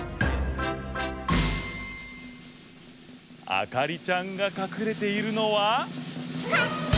あかりちゃんがかくれているのは。